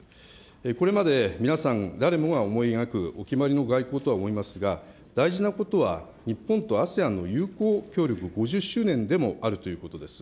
これまで皆さん、誰もが思い描くお決まりの外交とは思いますが、大事なことは日本とＡＳＥＡＮの友好協力５０周年でもあるということです。